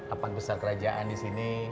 apa besar kerajaan di sini